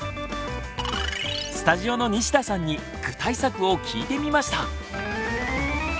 スタジオの西田さんに具体策を聞いてみました！